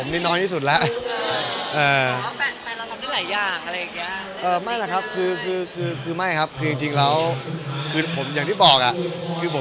ดนม้องว่าเป็นคนติดแฟน